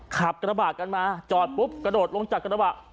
ขับกระบะกันมาจอดปุ๊บกระโดดลงจากกระบะ